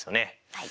はい。